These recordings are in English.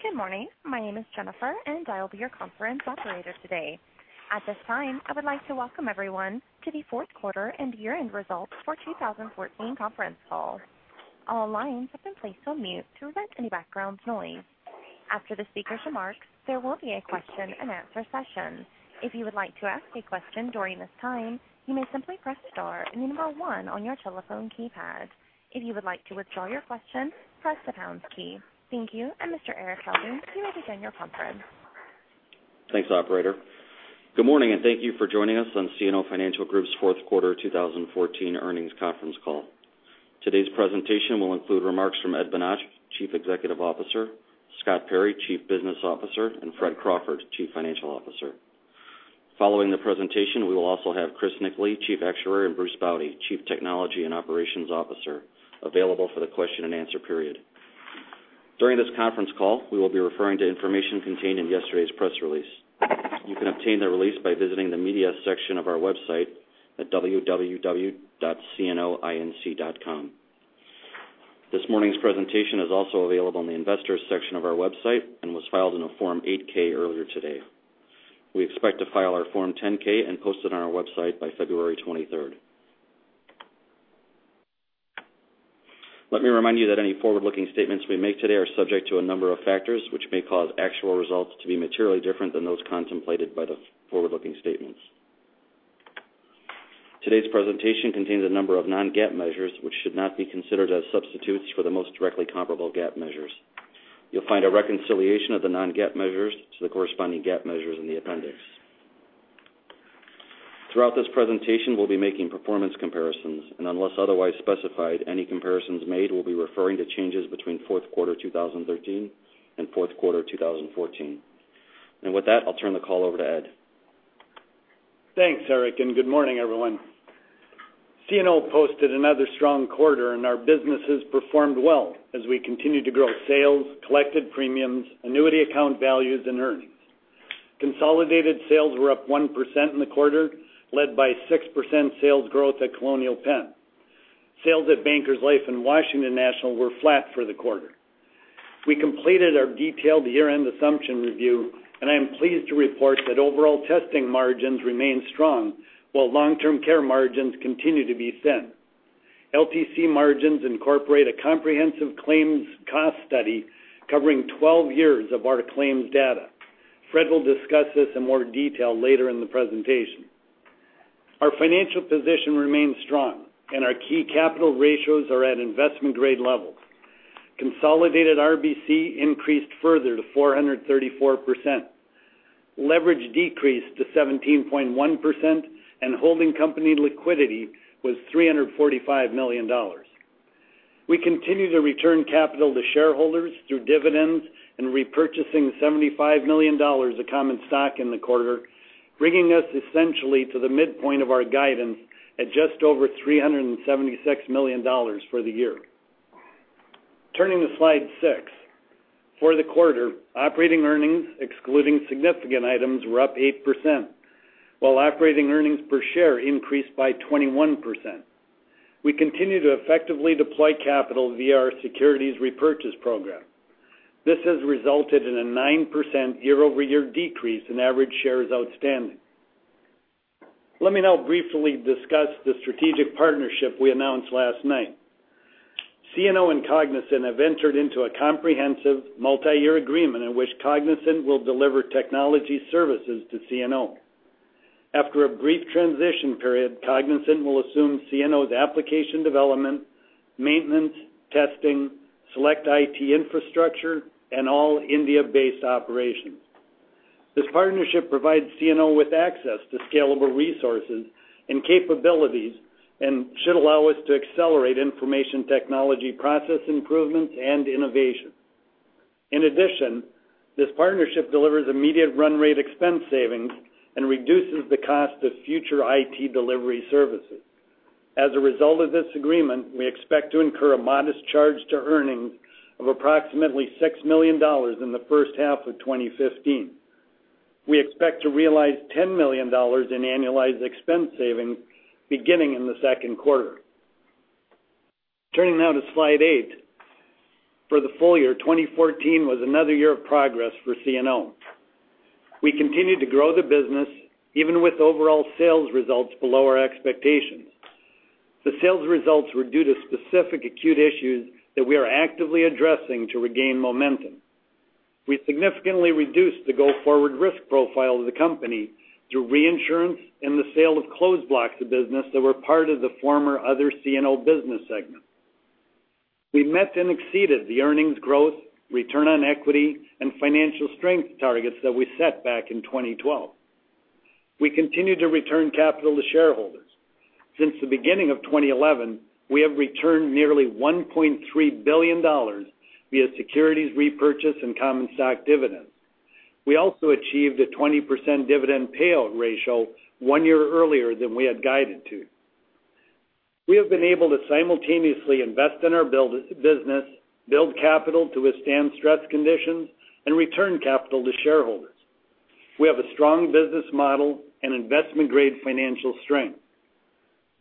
Good morning. My name is Jennifer, and I will be your conference operator today. At this time, I would like to welcome everyone to the fourth quarter and year-end results for 2014 conference call. All lines have been placed on mute to prevent any background noise. After the speaker's remarks, there will be a question-and-answer session. If you would like to ask a question during this time, you may simply press star and the number one on your telephone keypad. If you would like to withdraw your question, press the pound key. Thank you, Mr. Erik Helding, you will begin your conference. Thanks, operator. Good morning, thank you for joining us on CNO Financial Group's fourth quarter 2014 earnings conference call. Today's presentation will include remarks from Ed Bonach, Chief Executive Officer, Scott Perry, Chief Business Officer, and Fred Crawford, Chief Financial Officer. Following the presentation, we will also have Chris Nickele, Chief Actuary, and Bruce Baude, Chief Technology and Operations Officer, available for the question-and-answer period. During this conference call, we will be referring to information contained in yesterday's press release. You can obtain the release by visiting the media section of our website at www.cnoinc.com. This morning's presentation is also available on the investors section of our website and was filed in a Form 8-K earlier today. We expect to file our Form 10-K and post it on our website by February 23rd. Let me remind you that any forward-looking statements we make today are subject to a number of factors which may cause actual results to be materially different than those contemplated by the forward-looking statements. Today's presentation contains a number of non-GAAP measures which should not be considered as substitutes for the most directly comparable GAAP measures. You'll find a reconciliation of the non-GAAP measures to the corresponding GAAP measures in the appendix. Throughout this presentation, we'll be making performance comparisons, unless otherwise specified, any comparisons made will be referring to changes between fourth quarter 2013 and fourth quarter 2014. With that, I'll turn the call over to Ed. Thanks, Erik, good morning, everyone. CNO posted another strong quarter, our businesses performed well as we continued to grow sales, collected premiums, annuity account values, and earnings. Consolidated sales were up 1% in the quarter, led by 6% sales growth at Colonial Penn. Sales at Bankers Life and Washington National were flat for the quarter. We completed our detailed year-end assumption review, I am pleased to report that overall testing margins remain strong while long-term care margins continue to be thin. LTC margins incorporate a comprehensive claims cost study covering 12 years of our claims data. Fred will discuss this in more detail later in the presentation. Our financial position remains strong, our key capital ratios are at investment-grade levels. Consolidated RBC increased further to 434%. Leverage decreased to 17.1%, holding company liquidity was $345 million. We continue to return capital to shareholders through dividends and repurchasing $75 million of common stock in the quarter, bringing us essentially to the midpoint of our guidance at just over $376 million for the year. Turning to slide six. For the quarter, operating earnings excluding significant items were up 8%, while operating earnings per share increased by 21%. We continue to effectively deploy capital via our securities repurchase program. This has resulted in a 9% year-over-year decrease in average shares outstanding. Let me now briefly discuss the strategic partnership we announced last night. CNO and Cognizant have entered into a comprehensive multi-year agreement in which Cognizant will deliver technology services to CNO. After a brief transition period, Cognizant will assume CNO's application development, maintenance, testing, select IT infrastructure, and all India-based operations. This partnership provides CNO with access to scalable resources and capabilities and should allow us to accelerate information technology process improvements and innovation. In addition, this partnership delivers immediate run rate expense savings and reduces the cost of future IT delivery services. As a result of this agreement, we expect to incur a modest charge to earnings of approximately $6 million in the first half of 2015. We expect to realize $10 million in annualized expense savings beginning in the second quarter. Turning now to slide eight. For the full year, 2014 was another year of progress for CNO. We continued to grow the business even with overall sales results below our expectations. The sales results were due to specific acute issues that we are actively addressing to regain momentum. We significantly reduced the go-forward risk profile of the company through reinsurance and the sale of closed blocks of business that were part of the former Other CNO Business segment. We met and exceeded the earnings growth, return on equity, and financial strength targets that we set back in 2012. We continued to return capital to shareholders. Since the beginning of 2011, we have returned nearly $1.3 billion via securities repurchase and common stock dividends. We also achieved a 20% dividend payout ratio one year earlier than we had guided to. We have been able to simultaneously invest in our business, build capital to withstand stress conditions, and return capital to shareholders. We have a strong business model and investment-grade financial strength.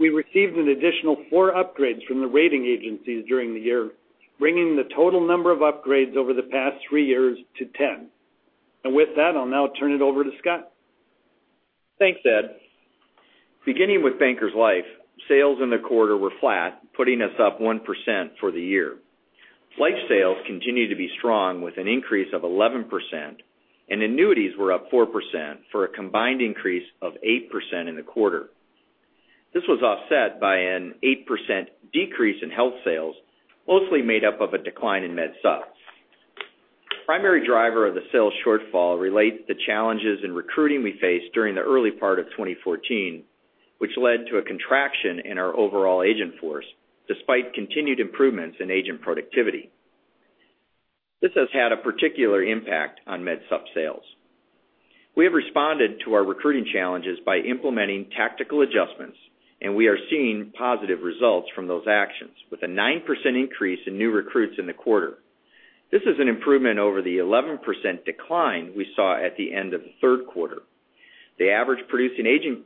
We received an additional four upgrades from the rating agencies during the year, bringing the total number of upgrades over the past three years to 10. With that, I'll now turn it over to Scott. Thanks, Ed. Beginning with Bankers Life, sales in the quarter were flat, putting us up 1% for the year. Life sales continue to be strong, with an increase of 11%, and annuities were up 4% for a combined increase of 8% in the quarter. This was offset by an 8% decrease in health sales, mostly made up of a decline in MedSup. Primary driver of the sales shortfall relates the challenges in recruiting we faced during the early part of 2014, which led to a contraction in our overall agent force, despite continued improvements in agent productivity. This has had a particular impact on MedSup sales. We have responded to our recruiting challenges by implementing tactical adjustments, we are seeing positive results from those actions, with a 9% increase in new recruits in the quarter. This is an improvement over the 11% decline we saw at the end of the third quarter. The average producing agent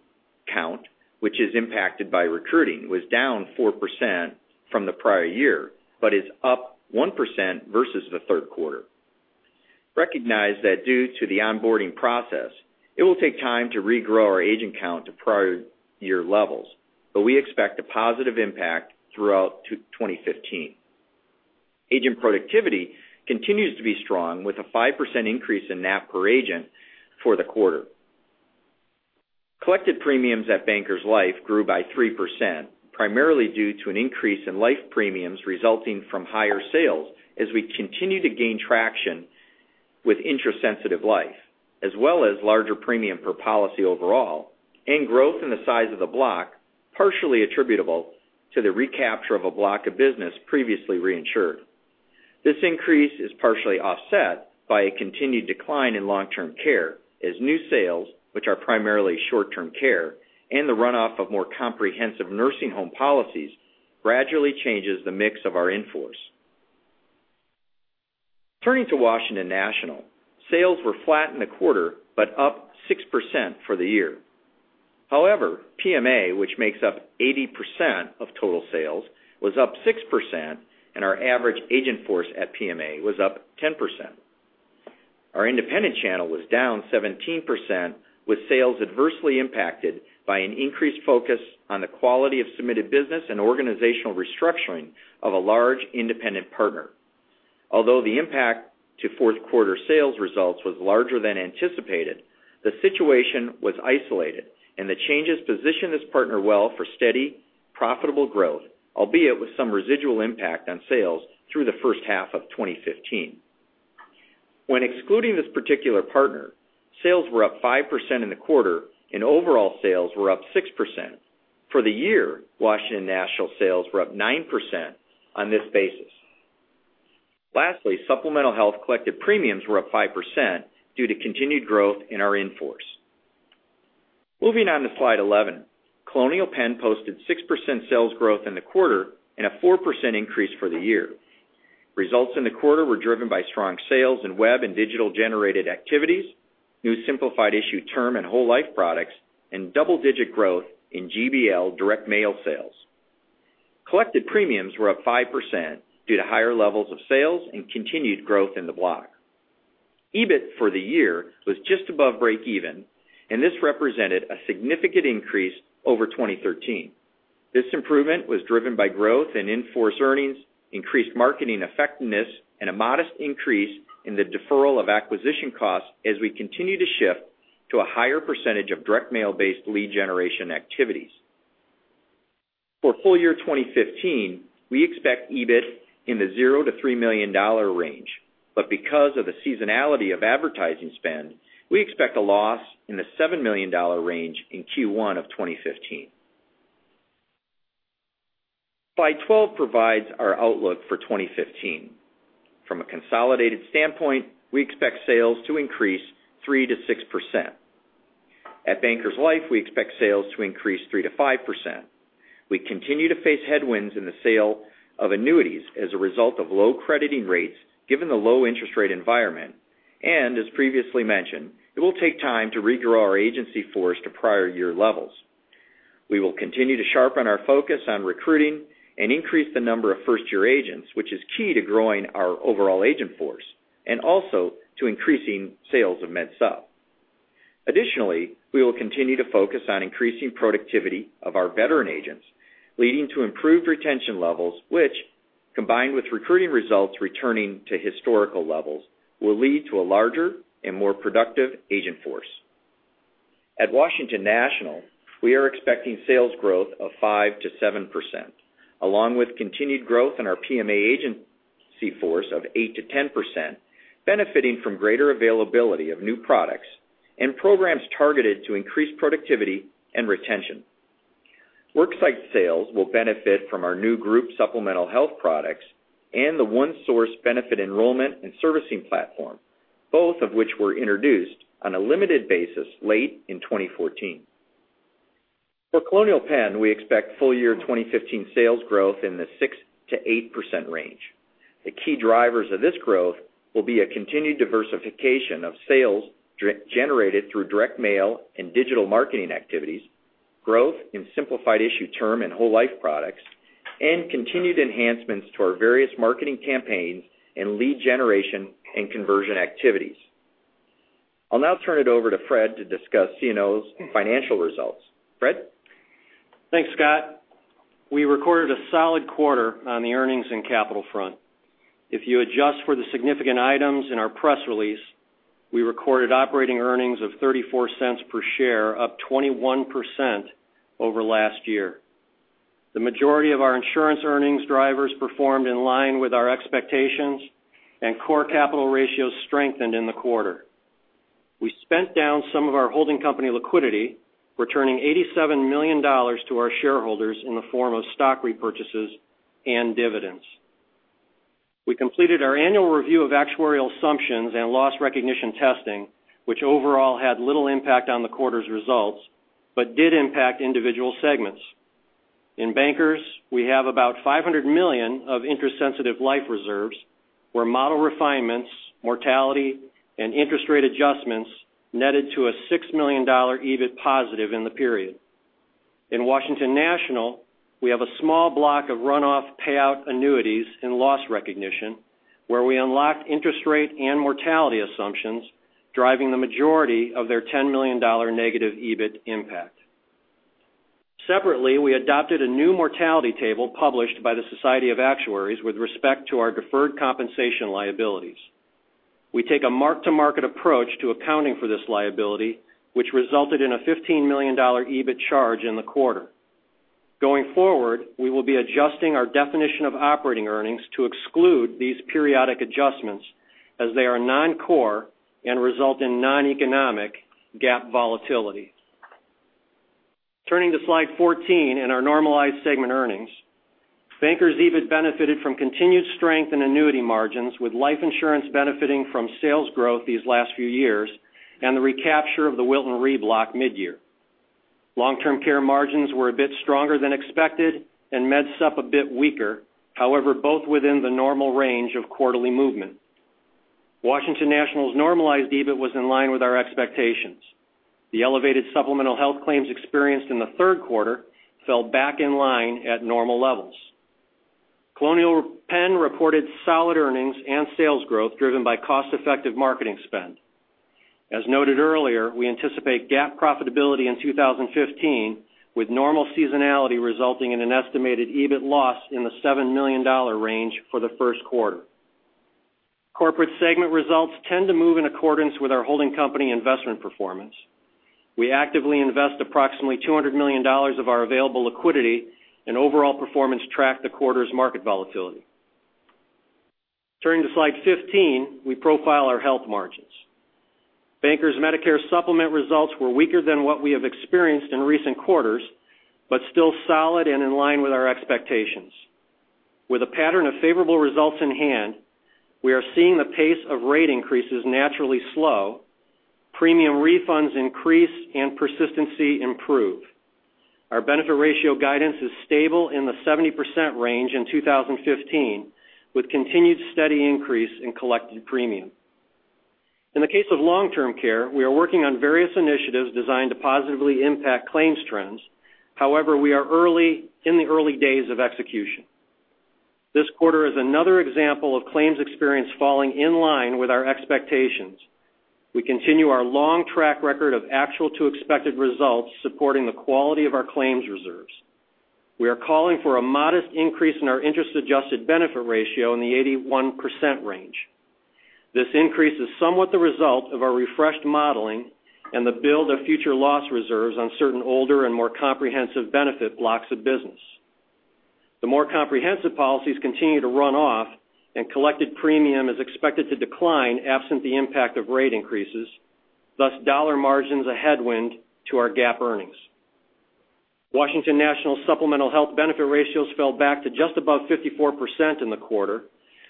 count, which is impacted by recruiting, was down 4% from the prior year, but is up 1% versus the third quarter. Recognize that due to the onboarding process, it will take time to regrow our agent count to prior year levels, we expect a positive impact throughout 2015. Agent productivity continues to be strong, with a 5% increase in NAP per agent for the quarter. Collected premiums at Bankers Life grew by 3%, primarily due to an increase in life premiums resulting from higher sales as we continue to gain traction with interest-sensitive life, as well as larger premium per policy overall, and growth in the size of the block, partially attributable to the recapture of a block of business previously reinsured. This increase is partially offset by a continued decline in long-term care as new sales, which are primarily short-term care, and the runoff of more comprehensive nursing home policies, gradually changes the mix of our in-force. Turning to Washington National, sales were flat in the quarter but up 6% for the year. PMA, which makes up 80% of total sales, was up 6%, and our average agent force at PMA was up 10%. Our independent channel was down 17%, with sales adversely impacted by an increased focus on the quality of submitted business and organizational restructuring of a large independent partner. Although the impact to fourth quarter sales results was larger than anticipated, the situation was isolated, the changes position this partner well for steady, profitable growth, albeit with some residual impact on sales through the first half of 2015. When excluding this particular partner, sales were up 5% in the quarter and overall sales were up 6%. For the year, Washington National sales were up 9% on this basis. Lastly, supplemental health collected premiums were up 5% due to continued growth in our in-force. Moving on to slide 11. Colonial Penn posted 6% sales growth in the quarter and a 4% increase for the year. Results in the quarter were driven by strong sales in web and digital-generated activities, new simplified issue term and whole life products, and double-digit growth in GBL direct mail sales. Collected premiums were up 5% due to higher levels of sales and continued growth in the block. EBIT for the year was just above break even, this represented a significant increase over 2013. This improvement was driven by growth in in-force earnings, increased marketing effectiveness, and a modest increase in the deferral of acquisition costs as we continue to shift to a higher percentage of direct mail-based lead generation activities. For full year 2015, we expect EBIT in the 0 to $3 million range, but because of the seasonality of advertising spend, we expect a loss in the $7 million range in Q1 of 2015. Slide 12 provides our outlook for 2015. From a consolidated standpoint, we expect sales to increase 3%-6%. At Bankers Life, we expect sales to increase 3%-5%. We continue to face headwinds in the sale of annuities as a result of low crediting rates given the low interest rate environment. As previously mentioned, it will take time to regrow our agency force to prior year levels. We will continue to sharpen our focus on recruiting and increase the number of first-year agents, which is key to growing our overall agent force and also to increasing sales of MedSup. Additionally, we will continue to focus on increasing productivity of our veteran agents, leading to improved retention levels, which, combined with recruiting results returning to historical levels, will lead to a larger and more productive agent force. At Washington National, we are expecting sales growth of 5%-7%, along with continued growth in our PMA agency force of 8%-10%, benefiting from greater availability of new products and programs targeted to increase productivity and retention. Worksite sales will benefit from our new group supplemental health products and the OneSource benefit enrollment and servicing platform, both of which were introduced on a limited basis late in 2014. For Colonial Penn, we expect full year 2015 sales growth in the 6%-8% range. The key drivers of this growth will be a continued diversification of sales generated through direct mail and digital marketing activities, growth in simplified issue term and whole life products, and continued enhancements to our various marketing campaigns and lead generation and conversion activities. I'll now turn it over to Fred to discuss CNO's financial results. Fred? Thanks, Scott. We recorded a solid quarter on the earnings and capital front. If you adjust for the significant items in our press release, we recorded operating earnings of $0.34 per share, up 21% over last year. The majority of our insurance earnings drivers performed in line with our expectations, and core capital ratios strengthened in the quarter. We spent down some of our holding company liquidity, returning $87 million to our shareholders in the form of stock repurchases and dividends. We completed our annual review of actuarial assumptions and loss recognition testing, which overall had little impact on the quarter's results, but did impact individual segments. In Bankers, we have about $500 million of interest-sensitive life reserves, where model refinements, mortality, and interest rate adjustments netted to a $6 million EBIT positive in the period. In Washington National, we have a small block of runoff payout annuities and loss recognition, where we unlocked interest rate and mortality assumptions, driving the majority of their $10 million negative EBIT impact. Separately, we adopted a new mortality table published by the Society of Actuaries with respect to our deferred compensation liabilities. We take a mark-to-market approach to accounting for this liability, which resulted in a $15 million EBIT charge in the quarter. Going forward, we will be adjusting our definition of operating earnings to exclude these periodic adjustments as they are non-core and result in non-economic GAAP volatility. Turning to slide 14 and our normalized segment earnings. Bankers' EBIT benefited from continued strength in annuity margins, with life insurance benefiting from sales growth these last few years and the recapture of the Wilton Re block midyear. Long-term care margins were a bit stronger than expected and medsup a bit weaker, both within the normal range of quarterly movement. Washington National's normalized EBIT was in line with our expectations. The elevated supplemental health claims experienced in the third quarter fell back in line at normal levels. Colonial Penn reported solid earnings and sales growth driven by cost-effective marketing spend. As noted earlier, we anticipate GAAP profitability in 2015, with normal seasonality resulting in an estimated EBIT loss in the $7 million range for the first quarter. Corporate segment results tend to move in accordance with our holding company investment performance. We actively invest approximately $200 million of our available liquidity and overall performance track the quarter's market volatility. Turning to slide 15, we profile our health margins. Bankers Medicare Supplement results were weaker than what we have experienced in recent quarters, but still solid and in line with our expectations. With a pattern of favorable results in hand, we are seeing the pace of rate increases naturally slow, premium refunds increase, and persistency improve. Our benefit ratio guidance is stable in the 70% range in 2015, with continued steady increase in collected premium. In the case of long-term care, we are working on various initiatives designed to positively impact claims trends. We are in the early days of execution. This quarter is another example of claims experience falling in line with our expectations. We continue our long track record of actual to expected results supporting the quality of our claims reserves. We are calling for a modest increase in our interest-adjusted benefit ratio in the 81% range. This increase is somewhat the result of our refreshed modeling and the build of future loss reserves on certain older and more comprehensive benefit blocks of business. The more comprehensive policies continue to run off, and collected premium is expected to decline absent the impact of rate increases, thus dollar margin's a headwind to our GAAP earnings. Washington National supplemental health benefit ratios fell back to just above 54% in the quarter.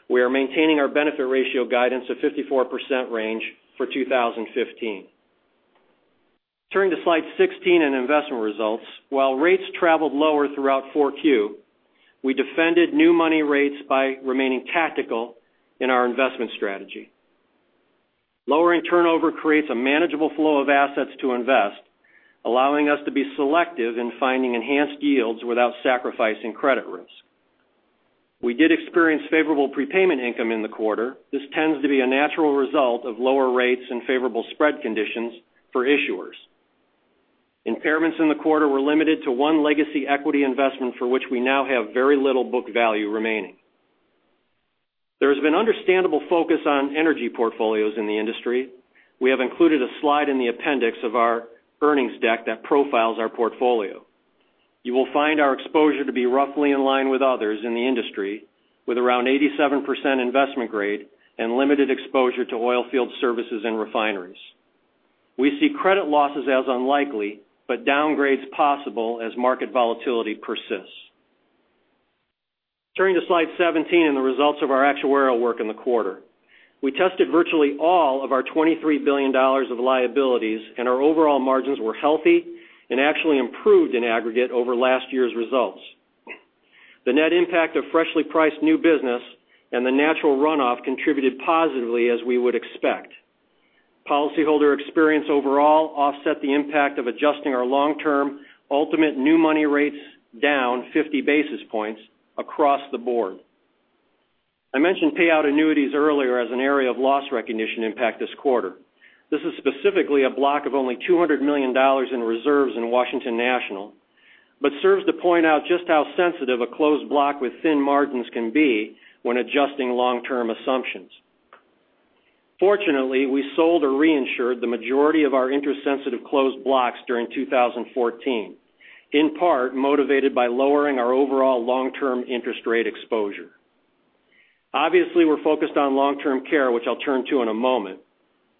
We are maintaining our benefit ratio guidance of 54% range for 2015. Turning to slide 16 and investment results. While rates traveled lower throughout 4Q, we defended new money rates by remaining tactical in our investment strategy. Lowering turnover creates a manageable flow of assets to invest, allowing us to be selective in finding enhanced yields without sacrificing credit risk. We did experience favorable prepayment income in the quarter. This tends to be a natural result of lower rates and favorable spread conditions for issuers. Impairments in the quarter were limited to one legacy equity investment for which we now have very little book value remaining. There has been understandable focus on energy portfolios in the industry. We have included a slide in the appendix of our earnings deck that profiles our portfolio. You will find our exposure to be roughly in line with others in the industry, with around 87% investment grade and limited exposure to oil field services and refineries. We see credit losses as unlikely, but downgrades possible as market volatility persists. Turning to slide 17 and the results of our actuarial work in the quarter. We tested virtually all of our $23 billion of liabilities, and our overall margins were healthy and actually improved in aggregate over last year's results. The net impact of freshly priced new business and the natural runoff contributed positively as we would expect. Policyholder experience overall offset the impact of adjusting our long-term ultimate new money rates down 50 basis points across the board. I mentioned payout annuities earlier as an area of loss recognition impact this quarter. This is specifically a block of only $200 million in reserves in Washington National, but serves to point out just how sensitive a closed block with thin margins can be when adjusting long-term assumptions. Fortunately, we sold or reinsured the majority of our interest-sensitive closed blocks during 2014, in part motivated by lowering our overall long-term interest rate exposure. Obviously, we're focused on long-term care, which I'll turn to in a moment.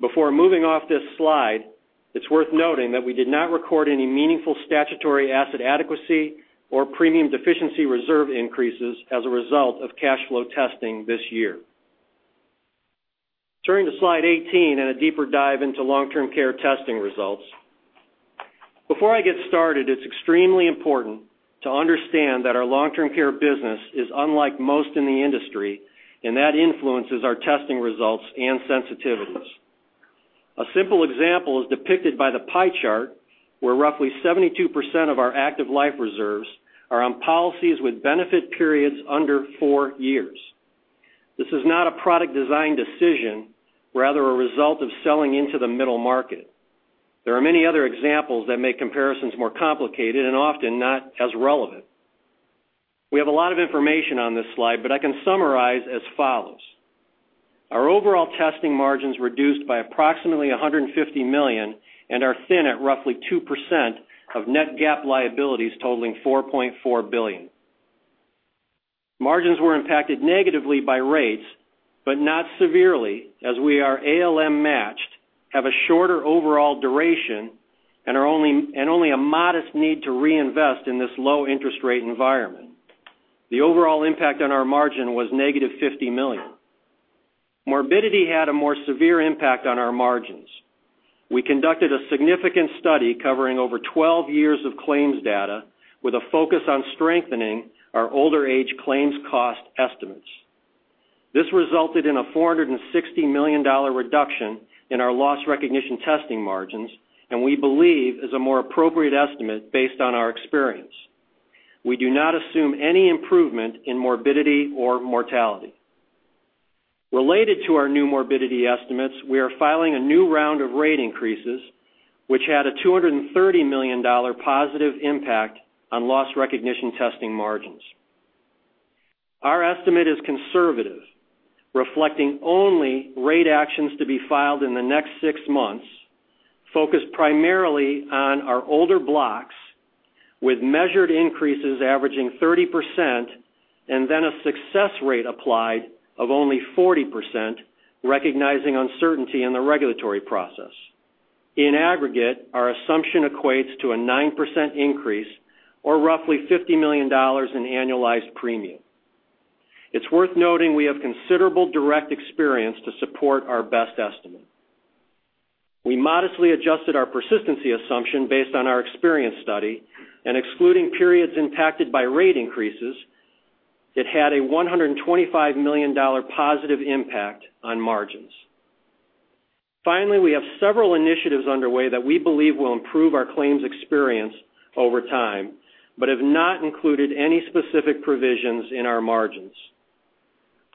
Before moving off this slide, it's worth noting that we did not record any meaningful statutory asset adequacy or premium deficiency reserve increases as a result of cash flow testing this year. Turning to Slide 18 and a deeper dive into long-term care testing results. Before I get started, it's extremely important to understand that our long-term care business is unlike most in the industry, and that influences our testing results and sensitivities. A simple example is depicted by the pie chart, where roughly 72% of our active life reserves are on policies with benefit periods under four years. This is not a product design decision, rather a result of selling into the middle market. There are many other examples that make comparisons more complicated and often not as relevant. We have a lot of information on this slide, but I can summarize as follows. Our overall testing margins reduced by approximately $150 million and are thin at roughly 2% of net GAAP liabilities totaling $4.4 billion. Margins were impacted negatively by rates, but not severely, as we are ALM matched, have a shorter overall duration, and only a modest need to reinvest in this low interest rate environment. The overall impact on our margin was negative $50 million. Morbidity had a more severe impact on our margins. We conducted a significant study covering over 12 years of claims data with a focus on strengthening our older age claims cost estimates. This resulted in a $460 million reduction in our loss recognition testing margins, and we believe is a more appropriate estimate based on our experience. We do not assume any improvement in morbidity or mortality. Related to our new morbidity estimates, we are filing a new round of rate increases, which had a $230 million positive impact on loss recognition testing margins. Our estimate is conservative, reflecting only rate actions to be filed in the next six months, focused primarily on our older blocks with measured increases averaging 30%, and then a success rate applied of only 40%, recognizing uncertainty in the regulatory process. In aggregate, our assumption equates to a 9% increase or roughly $50 million in annualized premium. It's worth noting we have considerable direct experience to support our best estimate. We modestly adjusted our persistency assumption based on our experience study and excluding periods impacted by rate increases, it had a $125 million positive impact on margins. Finally, we have several initiatives underway that we believe will improve our claims experience over time, but have not included any specific provisions in our margins.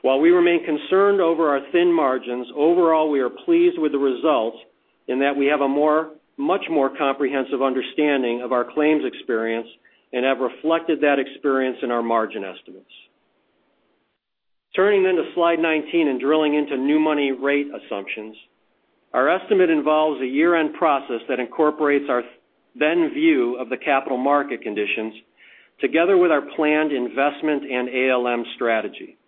While we remain concerned over our thin margins, overall, we are pleased with the results in that we have a much more comprehensive understanding of our claims experience and have reflected that experience in our margin estimates. Turning to Slide 19 and drilling into new money rate assumptions. Our estimate involves a year-end process that incorporates our then view of the capital market conditions together with our planned investment and ALM strategy.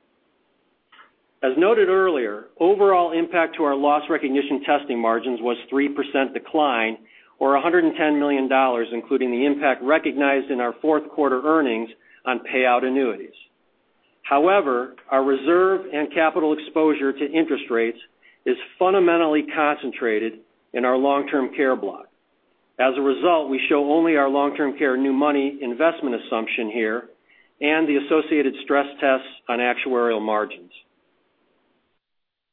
As noted earlier, overall impact to our loss recognition testing margins was 3% decline or $110 million, including the impact recognized in our fourth quarter earnings on payout annuities. However, our reserve and capital exposure to interest rates is fundamentally concentrated in our long-term care block. As a result, we show only our long-term care new money investment assumption here and the associated stress tests on actuarial margins.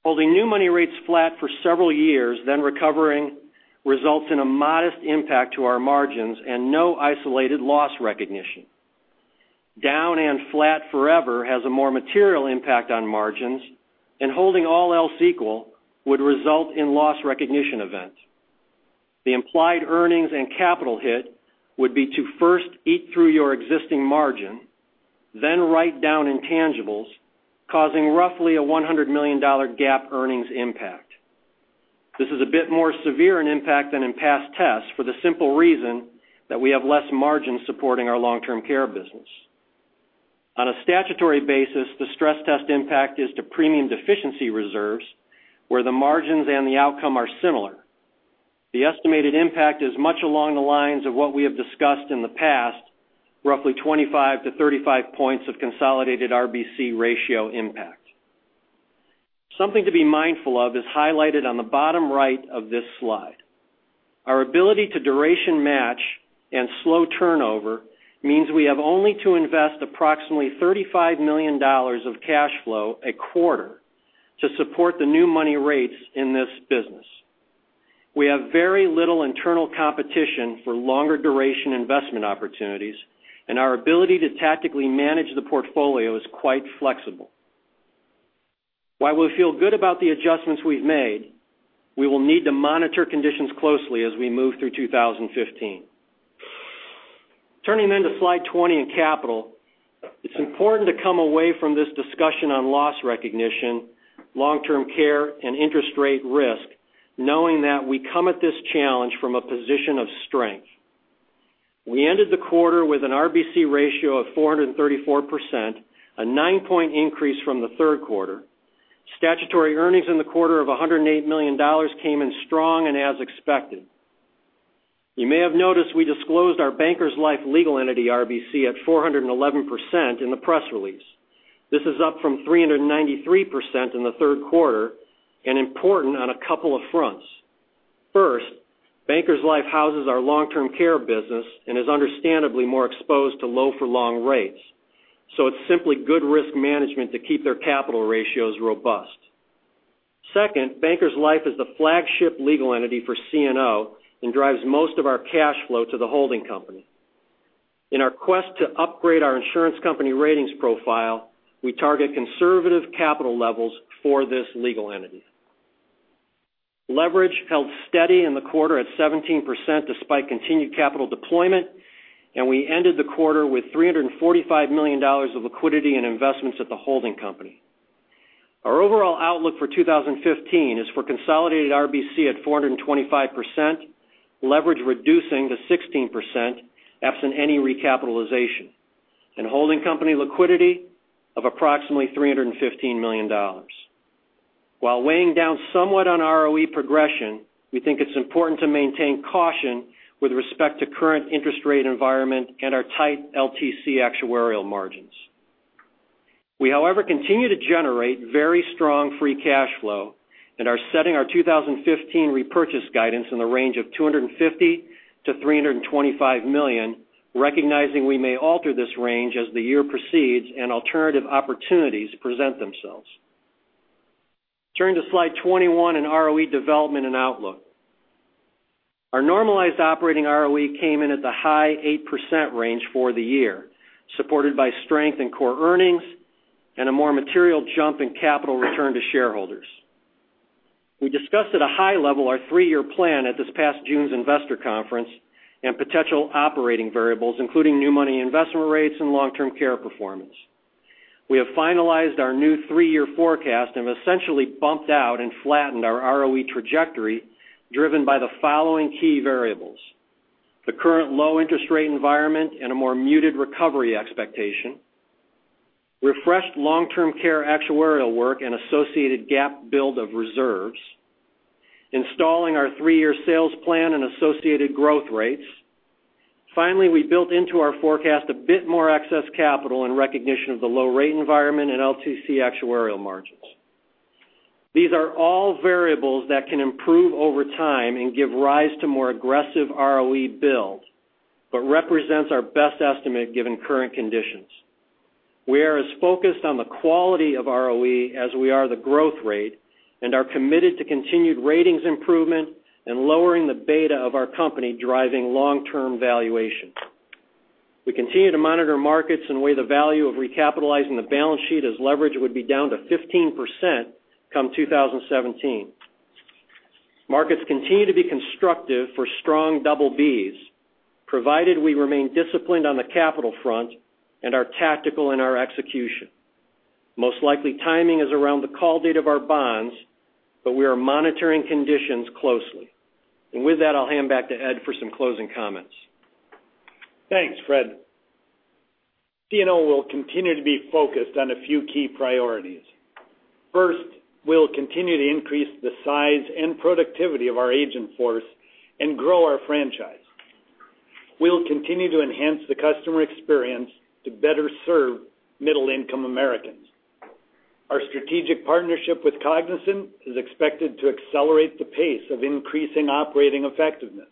Holding new money rates flat for several years, then recovering, results in a modest impact to our margins and no isolated loss recognition. Down and flat forever has a more material impact on margins and holding all else equal, would result in loss recognition event. The implied earnings and capital hit would be to first eat through your existing margin, then write down intangibles, causing roughly a $100 million GAAP earnings impact. This is a bit more severe an impact than in past tests for the simple reason that we have less margin supporting our long-term care business. On a statutory basis, the stress test impact is to premium deficiency reserves, where the margins and the outcome are similar. The estimated impact is much along the lines of what we have discussed in the past, roughly 25 to 35 points of consolidated RBC ratio impact. Something to be mindful of is highlighted on the bottom right of this slide. Our ability to duration match and slow turnover means we have only to invest approximately $35 million of cash flow a quarter to support the new money rates in this business. We have very little internal competition for longer duration investment opportunities, and our ability to tactically manage the portfolio is quite flexible. While we feel good about the adjustments we've made, we will need to monitor conditions closely as we move through 2015. Turning to Slide 20 in capital, it's important to come away from this discussion on loss recognition, long-term care, and interest rate risk, knowing that we come at this challenge from a position of strength. We ended the quarter with an RBC ratio of 434%, a nine-point increase from the third quarter. Statutory earnings in the quarter of $108 million came in strong and as expected. You may have noticed we disclosed our Bankers Life legal entity RBC at 411% in the press release. This is up from 393% in the third quarter and important on a couple of fronts. First, Bankers Life houses our long-term care business and is understandably more exposed to low for long rates. So it's simply good risk management to keep their capital ratios robust. Second, Bankers Life is the flagship legal entity for CNO and drives most of our cash flow to the holding company. In our quest to upgrade our insurance company ratings profile, we target conservative capital levels for this legal entity. Leverage held steady in the quarter at 17% despite continued capital deployment, and we ended the quarter with $345 million of liquidity and investments at the holding company. Our overall outlook for 2015 is for consolidated RBC at 425%, leverage reducing to 16% absent any recapitalization, and holding company liquidity of approximately $315 million. While weighing down somewhat on ROE progression, we think it's important to maintain caution with respect to current interest rate environment and our tight LTC actuarial margins. We, however, continue to generate very strong free cash flow and are setting our 2015 repurchase guidance in the range of $250 million-$325 million, recognizing we may alter this range as the year proceeds and alternative opportunities present themselves. Turning to slide 21 in ROE development and outlook. Our normalized operating ROE came in at the high 8% range for the year, supported by strength in core earnings and a more material jump in capital return to shareholders. We discussed at a high level our three-year plan at this past June's investor conference and potential operating variables, including new money investment rates and long-term care performance. We have finalized our new three-year forecast and have essentially bumped out and flattened our ROE trajectory, driven by the following key variables. The current low interest rate environment and a more muted recovery expectation, refreshed long-term care actuarial work and associated GAAP build of reserves, installing our three-year sales plan and associated growth rates. Finally, we built into our forecast a bit more excess capital in recognition of the low rate environment and LTC actuarial margins. These are all variables that can improve over time and give rise to more aggressive ROE build, but represents our best estimate given current conditions. We are as focused on the quality of ROE as we are the growth rate and are committed to continued ratings improvement and lowering the beta of our company driving long-term valuation. We continue to monitor markets and weigh the value of recapitalizing the balance sheet as leverage would be down to 15% come 2017. Markets continue to be constructive for strong double Bs, provided we remain disciplined on the capital front and are tactical in our execution. Most likely timing is around the call date of our bonds, but we are monitoring conditions closely. With that, I'll hand back to Ed for some closing comments. Thanks, Fred. CNO will continue to be focused on a few key priorities. First, we'll continue to increase the size and productivity of our agent force and grow our franchise. We'll continue to enhance the customer experience to better serve middle-income Americans. Our strategic partnership with Cognizant is expected to accelerate the pace of increasing operating effectiveness.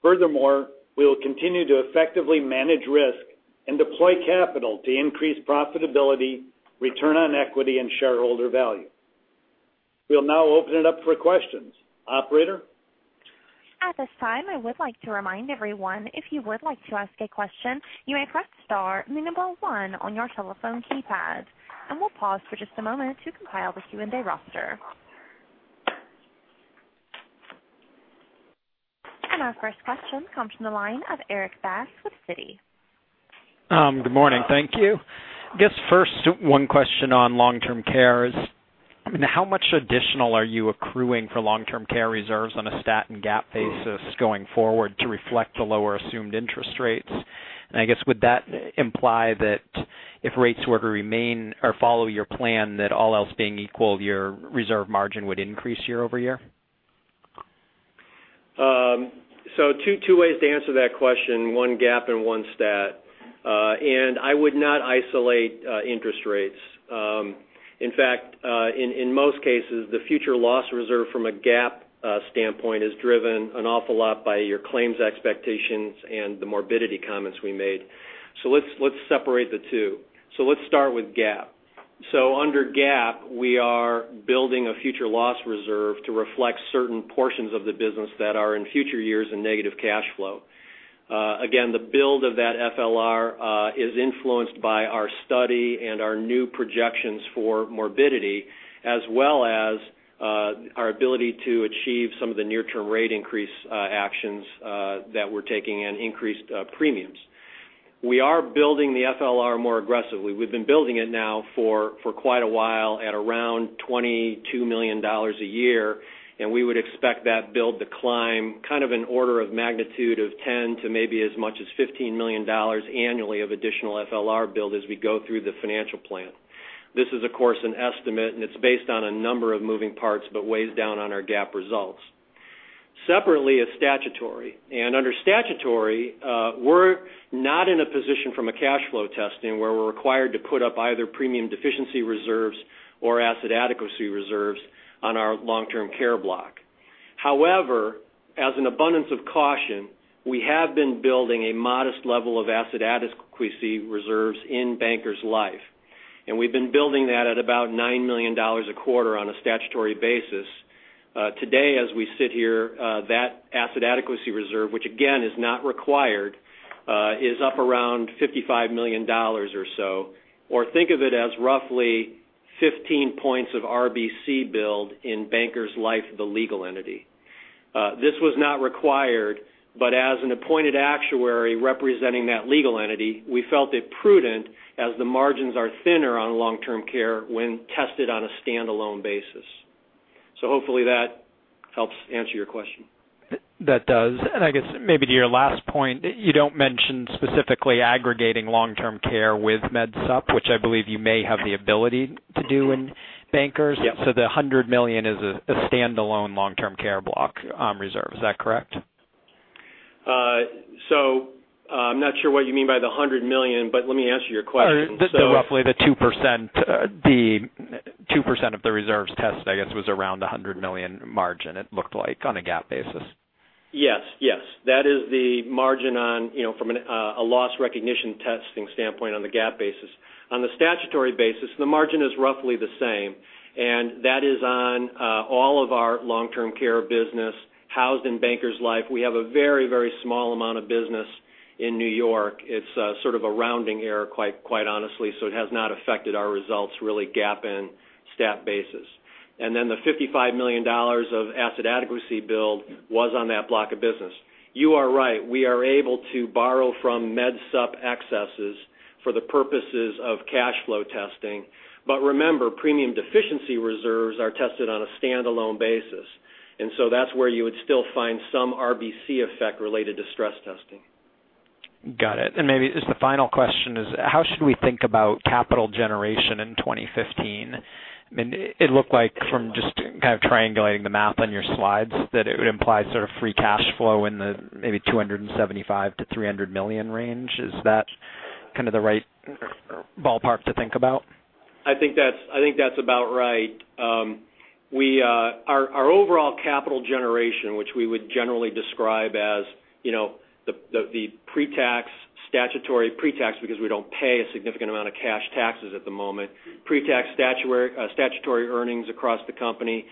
Furthermore, we will continue to effectively manage risk and deploy capital to increase profitability, return on equity, and shareholder value. We'll now open it up for questions. Operator? At this time, I would like to remind everyone, if you would like to ask a question, you may press star then the number 1 on your telephone keypad. We'll pause for just a moment to compile the Q&A roster. Our first question comes from the line of Erik Bass with Citi. Good morning. Thank you. I guess first, one question on long-term care is, how much additional are you accruing for long-term care reserves on a stat and GAAP basis going forward to reflect the lower assumed interest rates? I guess, would that imply that if rates were to remain or follow your plan, that all else being equal, your reserve margin would increase year-over-year? Two ways to answer that question, one GAAP and one stat. I would not isolate interest rates. In fact, in most cases, the future loss reserve from a GAAP standpoint is driven an awful lot by your claims expectations and the morbidity comments we made. Let's separate the two. Let's start with GAAP. Under GAAP, we are building a future loss reserve to reflect certain portions of the business that are in future years in negative cash flow. Again, the build of that FLR is influenced by our study and our new projections for morbidity, as well as our ability to achieve some of the near-term rate increase actions that we're taking in increased premiums. We are building the FLR more aggressively. We've been building it now for quite a while at around $22 million a year. We would expect that build to climb kind of in order of magnitude of 10 to maybe as much as $15 million annually of additional FLR build as we go through the financial plan. This is, of course, an estimate, and it's based on a number of moving parts but weighs down on our GAAP results. Separately is statutory. Under statutory, we're not in a position from a cash flow testing where we're required to put up either premium deficiency reserves or asset adequacy reserves on our long-term care block. However, as an abundance of caution, we have been building a modest level of asset adequacy reserves in Bankers Life, and we've been building that at about $9 million a quarter on a statutory basis. Today, as we sit here, that asset adequacy reserve, which again is not required, is up around $55 million or so, or think of it as roughly 15 points of RBC build in Bankers Life, the legal entity. This was not required, but as an appointed actuary representing that legal entity, we felt it prudent as the margins are thinner on long-term care when tested on a standalone basis. Hopefully that helps answer your question. That does. I guess maybe to your last point, you don't mention specifically aggregating long-term care with Med Supp, which I believe you may have the ability to do in Bankers. Yep. The $100 million is a standalone long-term care block reserve. Is that correct? I'm not sure what you mean by the $100 million, but let me answer your question. Just roughly the 2% of the reserves test, I guess, was around $100 million margin, it looked like on a GAAP basis. Yes. That is the margin from a loss recognition testing standpoint on the GAAP basis. On the statutory basis, the margin is roughly the same, and that is on all of our long-term care business housed in Bankers Life. We have a very small amount of business in New York. It's sort of a rounding error, quite honestly. It has not affected our results really GAAP and stat basis. Then the $55 million of asset adequacy build was on that block of business. You are right. We are able to borrow from Med Supp excesses for the purposes of cash flow testing. Remember, premium deficiency reserves are tested on a standalone basis. That's where you would still find some RBC effect related to stress testing. Got it. Maybe just the final question is how should we think about capital generation in 2015? I mean, it looked like from just kind of triangulating the math on your slides that it would imply sort of free cash flow in the maybe $275 million-$300 million range. Is that kind of the right ballpark to think about? I think that's about right. Our overall capital generation, which we would generally describe as the statutory pre-tax, because we don't pay a significant amount of cash taxes at the moment, pre-tax statutory earnings across the company,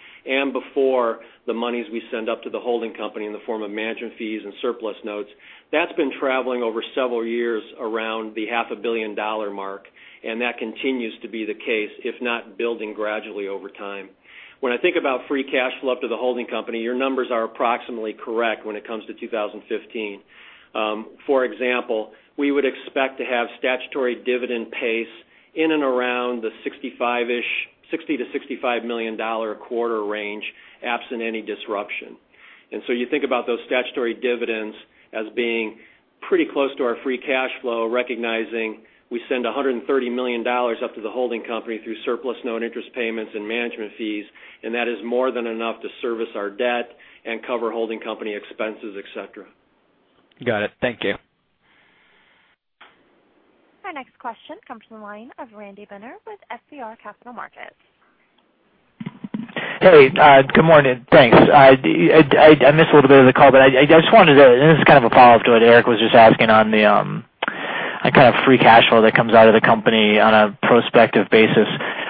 before the monies we send up to the holding company in the form of management fees and surplus notes. That's been traveling over several years around the half a billion dollar mark. That continues to be the case, if not building gradually over time. When I think about free cash flow up to the holding company, your numbers are approximately correct when it comes to 2015. For example, we would expect to have statutory dividend pace in and around the $60 million-$65 million a quarter range, absent any disruption. You think about those statutory dividends as being pretty close to our free cash flow, recognizing we send $130 million up to the holding company through surplus note interest payments and management fees. That is more than enough to service our debt and cover holding company expenses, et cetera. Got it. Thank you. Our next question comes from the line of Randy Binner with FBR Capital Markets. Hey, good morning. Thanks. I missed a little bit of the call, but I just wanted to, and this is kind of a follow-up to what Erik was just asking on the kind of free cash flow that comes out of the company on a prospective basis.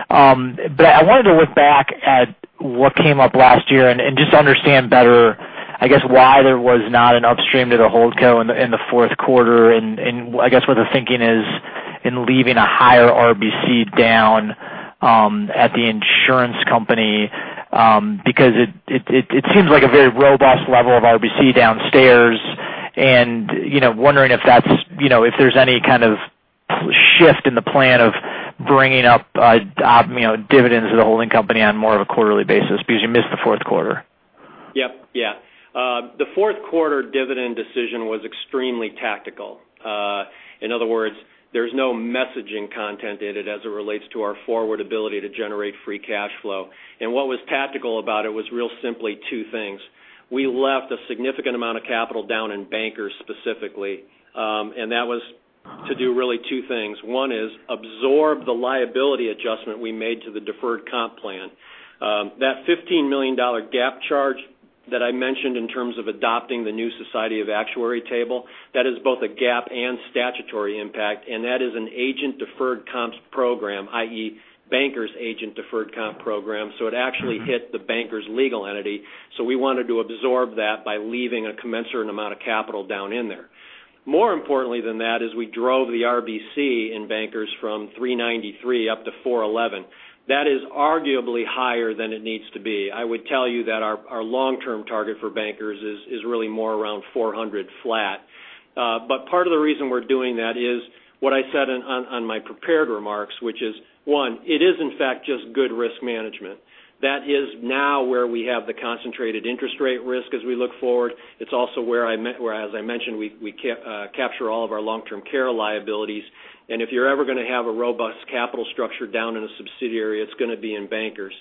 I wanted to look back at what came up last year and just understand better, I guess, why there was not an upstream to the holdco in the fourth quarter, and I guess what the thinking is in leaving a higher RBC down at the insurance company. It seems like a very robust level of RBC downstairs, and wondering if there's any kind of shift in the plan of bringing up dividends to the holding company on more of a quarterly basis because you missed the fourth quarter. Yep. Yeah. The fourth quarter dividend decision was extremely tactical. In other words, there's no messaging content in it as it relates to our forward ability to generate free cash flow. What was tactical about it was real simply 2 things. We left a significant amount of capital down in Bankers specifically, and that was to do really 2 things. One is absorb the liability adjustment we made to the deferred comp plan. That $15 million GAAP charge that I mentioned in terms of adopting the new Society of Actuaries table, that is both a GAAP and statutory impact, and that is an agent deferred comps program, i.e. Bankers' agent deferred comp program. It actually hit the Bankers legal entity. We wanted to absorb that by leaving a commensurate amount of capital down in there. More importantly than that is we drove the RBC in Bankers from 393 up to 411. That is arguably higher than it needs to be. I would tell you that our long-term target for Bankers is really more around 400 flat. Part of the reason we're doing that is what I said on my prepared remarks, which is one, it is in fact just good risk management. That is now where we have the concentrated interest rate risk as we look forward. It's also where, as I mentioned, we capture all of our long-term care liabilities. If you're ever going to have a robust capital structure down in a subsidiary, it's going to be in Bankers.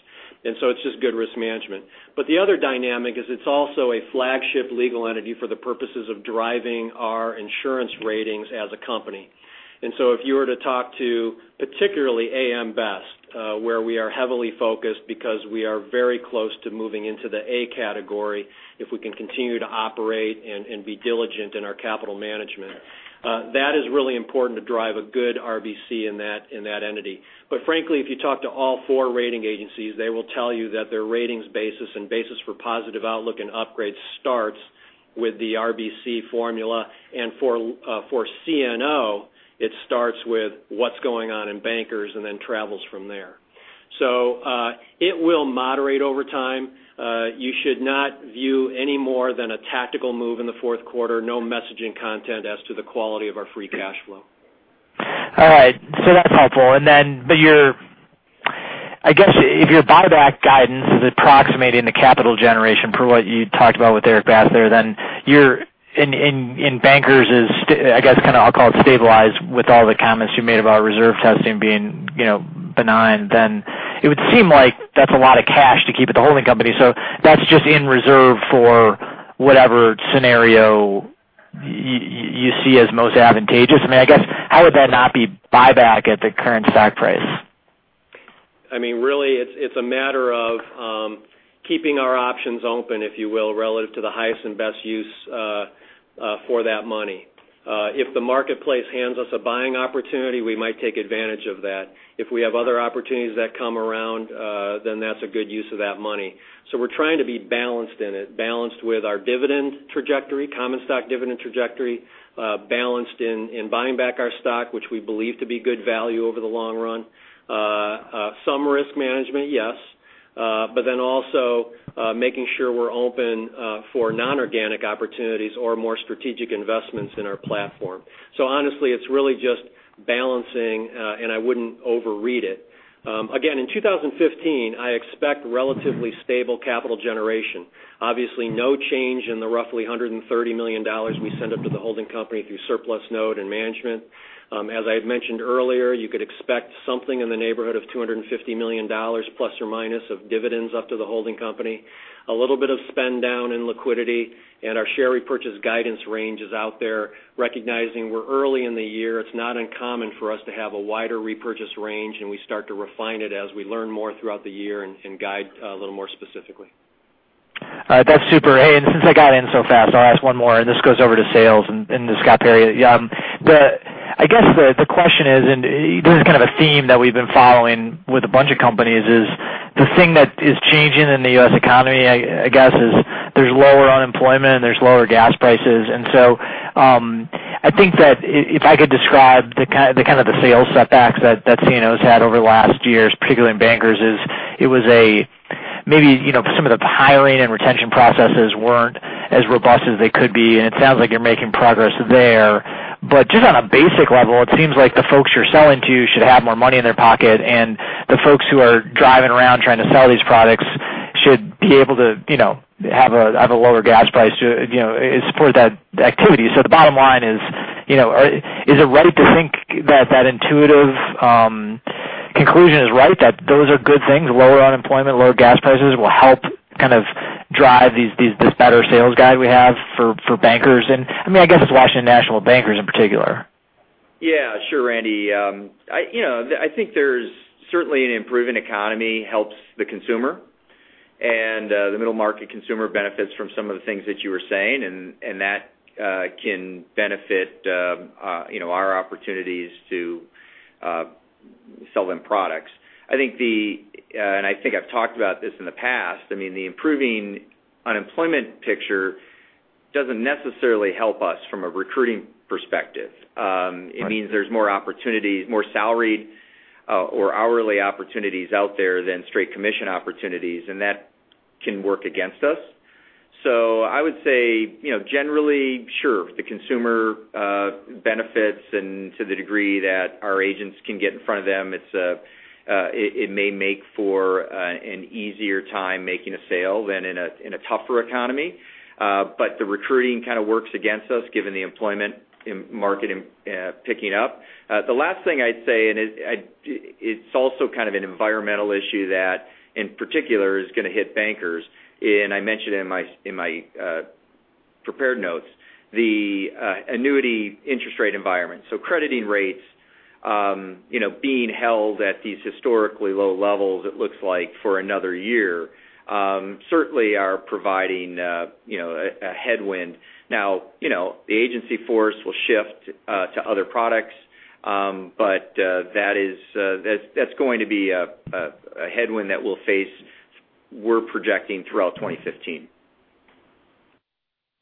It's just good risk management. The other dynamic is it's also a flagship legal entity for the purposes of driving our insurance ratings as a company. If you were to talk to particularly AM Best, where we are heavily focused because we are very close to moving into the A category, if we can continue to operate and be diligent in our capital management. That is really important to drive a good RBC in that entity. Frankly, if you talk to all four rating agencies, they will tell you that their ratings basis and basis for positive outlook and upgrade starts with the RBC formula. For CNO, it starts with what's going on in Bankers and then travels from there. It will moderate over time. You should not view any more than a tactical move in the fourth quarter. No messaging content as to the quality of our free cash flow. All right. So that's helpful. I guess if your buyback guidance is approximating the capital generation for what you talked about with Erik Bass there, then in Bankers is, I guess, I'll call it stabilized with all the comments you made about reserve testing being benign, then it would seem like that's a lot of cash to keep at the holding company. That's just in reserve for whatever scenario you see as most advantageous. I guess, how would that not be buyback at the current stock price? Really, it's a matter of keeping our options open, if you will, relative to the highest and best use for that money. If the marketplace hands us a buying opportunity, we might take advantage of that. If we have other opportunities that come around, then that's a good use of that money. We're trying to be balanced in it, balanced with our dividend trajectory, common stock dividend trajectory, balanced in buying back our stock, which we believe to be good value over the long run. Some risk management, yes, also making sure we're open for non-organic opportunities or more strategic investments in our platform. Honestly, it's really just balancing, and I wouldn't overread it. Again, in 2015, I expect relatively stable capital generation. Obviously, no change in the roughly $130 million we send up to the holding company through surplus note and management. As I had mentioned earlier, you could expect something in the neighborhood of $250 million plus or minus of dividends up to the holding company. A little bit of spend down in liquidity, our share repurchase guidance range is out there. Recognizing we're early in the year, it's not uncommon for us to have a wider repurchase range, we start to refine it as we learn more throughout the year and guide a little more specifically. All right. That's super. Hey, since I got in so fast, I'll ask one more, and this goes over to sales and to Scott Perry. I guess the question is, this is kind of a theme that we've been following with a bunch of companies, is the thing that is changing in the U.S. economy, I guess, is there's lower unemployment, there's lower gas prices. I think that if I could describe the kind of the sales setbacks that CNO's had over the last years, particularly in Bankers, is it was maybe some of the hiring and retention processes weren't as robust as they could be, and it sounds like you're making progress there. Just on a basic level, it seems like the folks you're selling to should have more money in their pocket, and the folks who are driving around trying to sell these products should be able to have a lower gas price to support that activity. The bottom line is it ready to think that intuitive conclusion is right, that those are good things, lower unemployment, lower gas prices will help kind of drive this better sales guide we have for Bankers? I guess it's Washington National Bankers in particular. Yeah. Sure, Randy. I think certainly an improving economy helps the consumer, the middle-market consumer benefits from some of the things that you were saying, and that can benefit our opportunities to sell them products. I think I've talked about this in the past. The improving unemployment picture doesn't necessarily help us from a recruiting perspective. It means there's more salaried or hourly opportunities out there than straight commission opportunities, and that can work against us. I would say, generally, sure, the consumer benefits and to the degree that our agents can get in front of them, it may make for an easier time making a sale than in a tougher economy. The recruiting kind of works against us, given the employment market picking up. The last thing I'd say, it's also kind of an environmental issue that in particular is going to hit Bankers, and I mentioned in my prepared notes, the annuity interest rate environment. Crediting rates being held at these historically low levels, it looks like for another year, certainly are providing a headwind. Now, the agency force will shift to other products, but that's going to be a headwind that we'll face, we're projecting, throughout 2015.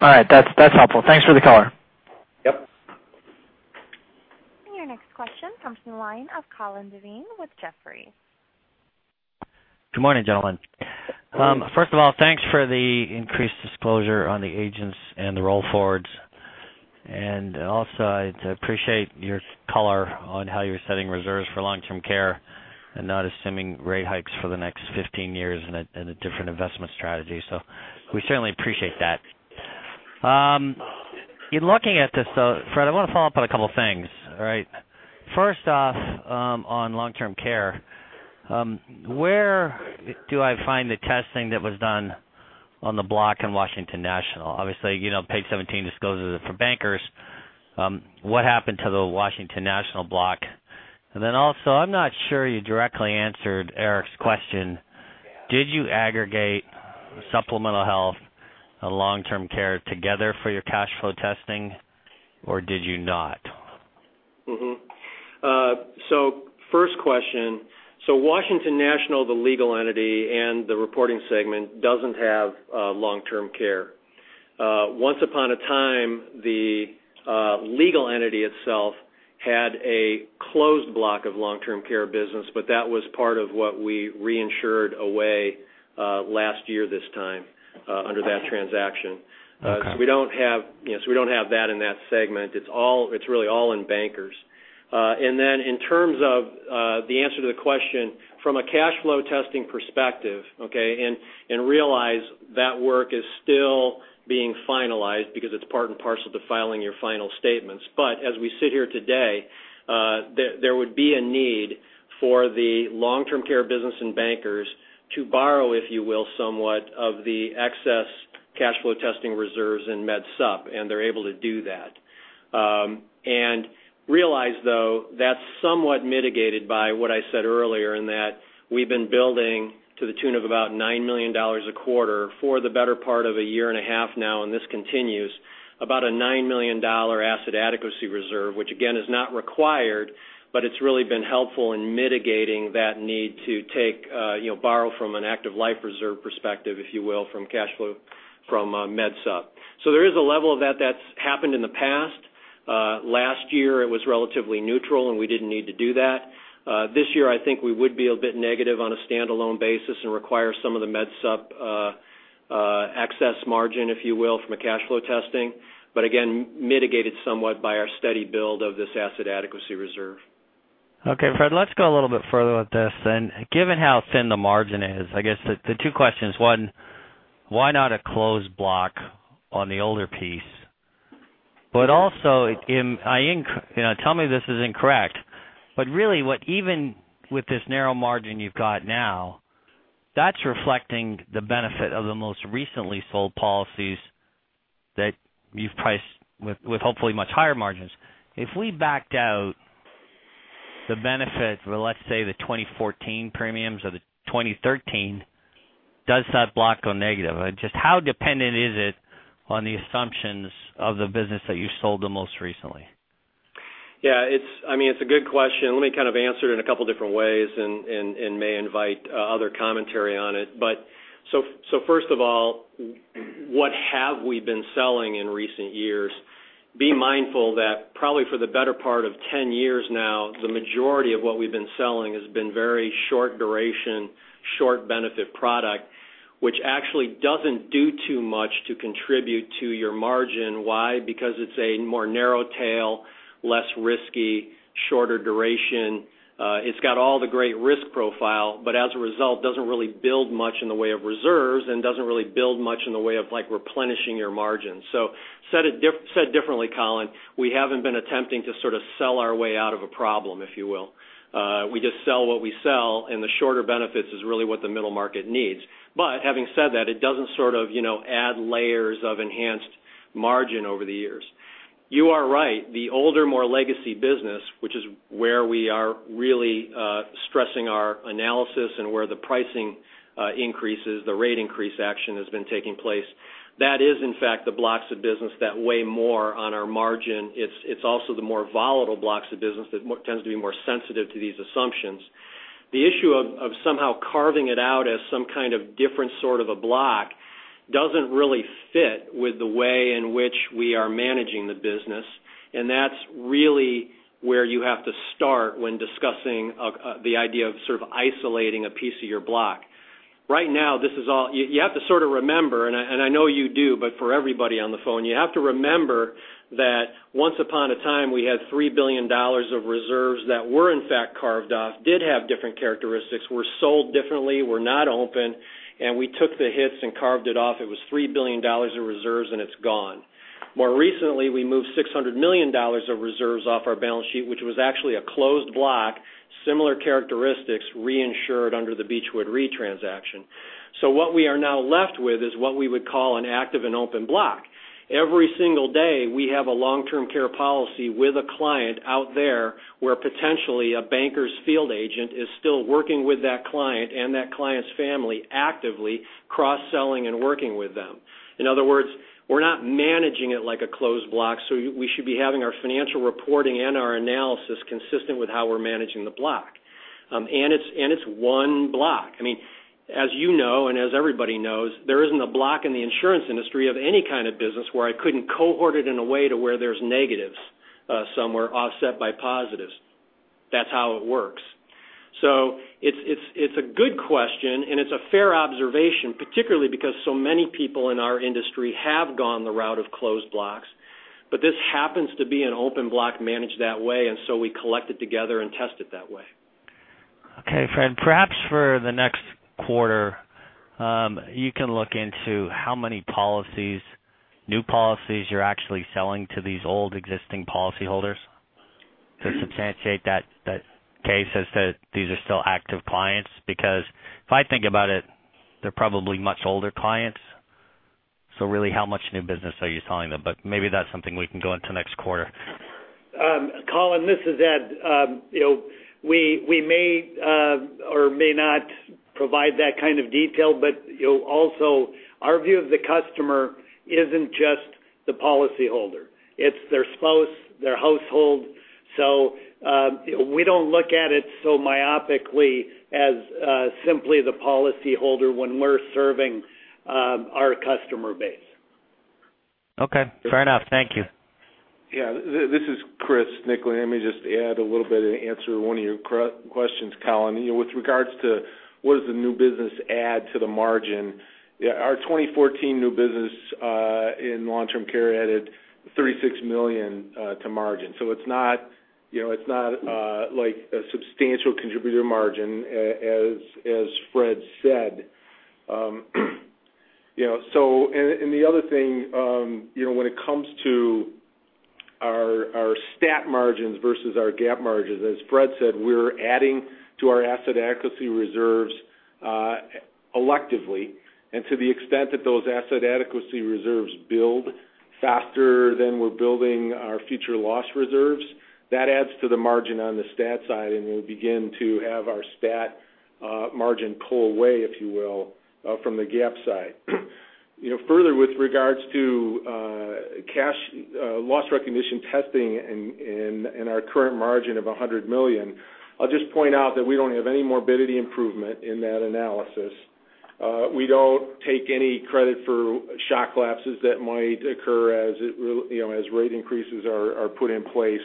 All right. That's helpful. Thanks for the color. Yep. Your next question comes from the line of Colin Devine with Jefferies. Good morning, gentlemen. Good morning. First of all, thanks for the increased disclosure on the agents and the roll forwards. Also I'd appreciate your color on how you're setting reserves for long-term care and not assuming rate hikes for the next 15 years in a different investment strategy. We certainly appreciate that. In looking at this though, Fred, I want to follow up on a couple things. All right. First off, on long-term care, where do I find the testing that was done on the block in Washington National? Obviously, page 17 discloses it for Bankers. What happened to the Washington National block? Then also, I'm not sure you directly answered Erik's question. Did you aggregate supplemental health and long-term care together for your cash flow testing, or did you not? First question. Washington National, the legal entity and the reporting segment, doesn't have long-term care. Once upon a time, the legal entity itself had a closed block of long-term care business, but that was part of what we reinsured away last year this time under that transaction. Okay. We don't have that in that segment. It's really all in Bankers. Then in terms of the answer to the question from a cash flow testing perspective, okay, realize that work is still being finalized because it's part and parcel to filing your final statements. As we sit here today, there would be a need for the long-term care business in Bankers to borrow, if you will, somewhat of the excess cash flow testing reserves in Med Supp. They're able to do that. Realize though, that's somewhat mitigated by what I said earlier, in that we've been building to the tune of about $9 million a quarter for the better part of a year and a half now. This continues, about a $9 million asset adequacy reserve, which again, is not required, but it's really been helpful in mitigating that need to borrow from an active life reserve perspective, if you will, from cash flow from Med Supp. There is a level of that that's happened in the past. Last year, it was relatively neutral. We didn't need to do that. This year, I think we would be a bit negative on a standalone basis and require some of the Med Supp excess margin, if you will, from a cash flow testing. Again, mitigated somewhat by our steady build of this asset adequacy reserve. Okay. Fred, let's go a little bit further with this. Given how thin the margin is, I guess the two questions, one, why not a closed block on the older piece? Also, tell me if this is incorrect. Really, even with this narrow margin you've got now, that's reflecting the benefit of the most recently sold policies that you've priced with hopefully much higher margins. If we backed out the benefit for, let's say, the 2014 premiums or the 2013, does that block go negative? Just how dependent is it on the assumptions of the business that you sold the most recently? Yeah. It's a good question. Let me kind of answer it in a couple different ways and may invite other commentary on it. First of all, what have we been selling in recent years? Be mindful that probably for the better part of 10 years now, the majority of what we've been selling has been very short duration, short benefit product, which actually doesn't do too much to contribute to your margin. Why? Because it's a more narrow tail, less risky, shorter duration. It's got all the great risk profile, but as a result, doesn't really build much in the way of reserves and doesn't really build much in the way of replenishing your margins. Said differently, Colin, we haven't been attempting to sort of sell our way out of a problem, if you will. We just sell what we sell. The shorter benefits is really what the middle market needs. Having said that, it doesn't sort of add layers of enhanced margin over the years. You are right. The older, more legacy business, which is where we are really stressing our analysis and where the pricing increases, the rate increase action has been taking place. That is in fact the blocks of business that weigh more on our margin. It's also the more volatile blocks of business that tends to be more sensitive to these assumptions. The issue of somehow carving it out as some kind of different sort of a block doesn't really fit with the way in which we are managing the business. That's really where you have to start when discussing the idea of sort of isolating a piece of your block. Right now, you have to sort of remember, and I know you do, but for everybody on the phone, you have to remember that once upon a time, we had $3 billion of reserves that were in fact carved off, did have different characteristics, were sold differently, were not open, and we took the hits and carved it off. It was $3 billion in reserves, and it's gone. More recently, we moved $600 million of reserves off our balance sheet, which was actually a closed block, similar characteristics, reinsured under the Beechwood Re transaction. What we are now left with is what we would call an active and open block. Every single day, we have a long-term care policy with a client out there where potentially a Bankers field agent is still working with that client and that client's family actively cross-selling and working with them. In other words, we're not managing it like a closed block, so we should be having our financial reporting and our analysis consistent with how we're managing the block. It's one block. As you know, and as everybody knows, there isn't a block in the insurance industry of any kind of business where I couldn't cohort it in a way to where there's negatives somewhere offset by positives. That's how it works. It's a good question, and it's a fair observation, particularly because so many people in our industry have gone the route of closed blocks. This happens to be an open block managed that way, and so we collect it together and test it that way. Okay, Fred, perhaps for the next quarter, you can look into how many new policies you're actually selling to these old existing policyholders to substantiate that case as to these are still active clients. If I think about it, they're probably much older clients. Really how much new business are you selling them? Maybe that's something we can go into next quarter. Colin, this is Ed. We may or may not provide that kind of detail, but also our view of the customer isn't just the policyholder, it's their spouse, their household. We don't look at it so myopically as simply the policyholder when we're serving our customer base. Okay. Fair enough. Thank you. Yeah, this is Chris Nickele. Let me just add a little bit and answer one of your questions, Colin. With regards to what does the new business add to the margin, our 2014 new business in long-term care added $36 million to margin. It's not like a substantial contributor margin, as Fred said. The other thing, when it comes to our stat margins versus our GAAP margins, as Fred said, we're adding to our asset adequacy reserves electively. To the extent that those asset adequacy reserves build faster than we're building our future loss reserves, that adds to the margin on the stat side, and we'll begin to have our stat margin pull away, if you will, from the GAAP side. Further, with regards to loss recognition testing and our current margin of $100 million, I'll just point out that we don't have any morbidity improvement in that analysis. We don't take any credit for shock lapses that might occur as rate increases are put in place.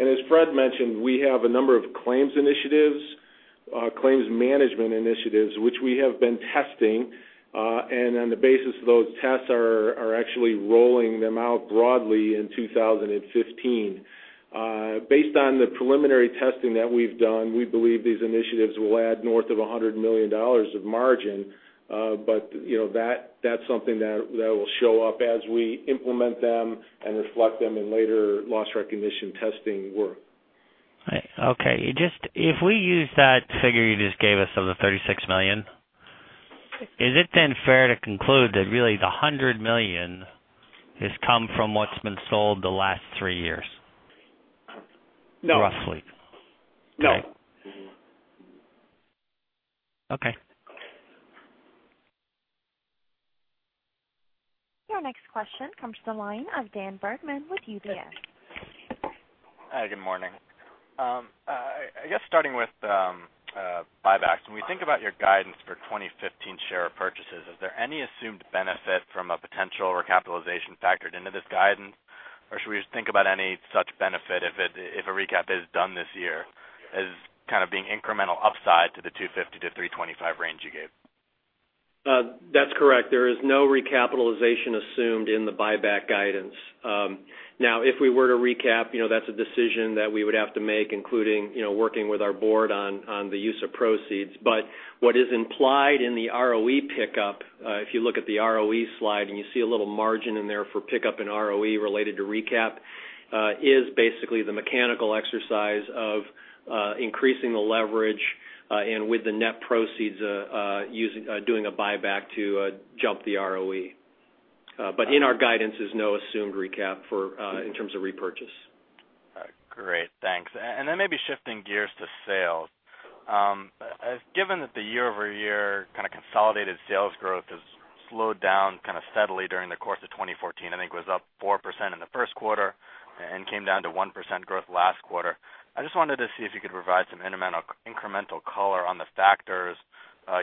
As Fred mentioned, we have a number of claims initiatives, claims management initiatives, which we have been testing. On the basis of those tests are actually rolling them out broadly in 2015. Based on the preliminary testing that we've done, we believe these initiatives will add north of $100 million of margin. That's something that will show up as we implement them and reflect them in later loss recognition testing work. Okay. If we use that figure you just gave us of the $36 million, is it then fair to conclude that really the $100 million has come from what's been sold the last three years? No. Roughly. No. Okay. Your next question comes to the line of Daniel Bergman with UBS. Hi, good morning. I guess starting with buybacks, when we think about your guidance for 2015 share purchases, is there any assumed benefit from a potential recapitalization factored into this guidance? Or should we just think about any such benefit if a recap is done this year as kind of being incremental upside to the $250-$325 range you gave? That's correct. There is no recapitalization assumed in the buyback guidance. If we were to recap, that's a decision that we would have to make, including working with our board on the use of proceeds. What is implied in the ROE pickup, if you look at the ROE slide and you see a little margin in there for pickup in ROE related to recap, is basically the mechanical exercise of increasing the leverage, and with the net proceeds, doing a buyback to jump the ROE. In our guidance is no assumed recap in terms of repurchase. Great, thanks. Maybe shifting gears to sales. Given that the year-over-year kind of consolidated sales growth has slowed down kind of steadily during the course of 2014, I think it was up 4% in the first quarter and came down to 1% growth last quarter. I just wanted to see if you could provide some incremental color on the factors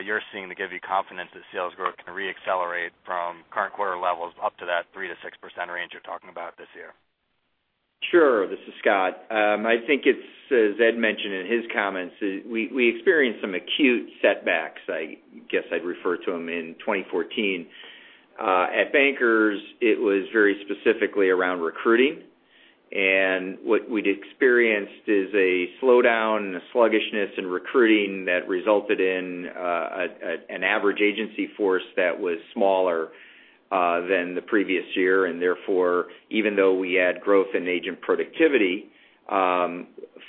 you're seeing to give you confidence that sales growth can re-accelerate from current quarter levels up to that 3%-6% range you're talking about this year. Sure. This is Scott. I think it's as Ed mentioned in his comments, we experienced some acute setbacks, I guess I'd refer to them, in 2014. At Bankers Life, it was very specifically around recruiting. What we'd experienced is a slowdown and a sluggishness in recruiting that resulted in an average agency force that was smaller than the previous year, and therefore, even though we had growth in agent productivity,